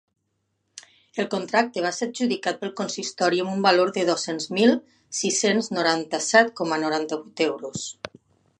El contracte va ser adjudicat pel consistori amb un valor de dos-cents mil sis-cents noranta-set coma noranta-vuit euros.